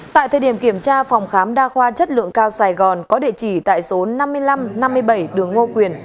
tại thời điểm kiểm tra phòng khám đa khoa chất lượng cao sài gòn có địa chỉ tại số năm mươi năm năm mươi bảy đường ngô quyền